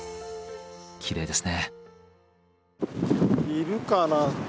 きれいですね。